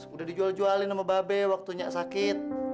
udah dijual jualin sama babe waktu nya sakit